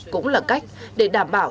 cũng là cách để đảm bảo